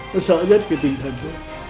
nó sợ nhất cái tinh thần đó